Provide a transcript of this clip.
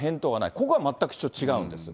ここが全く違うんです。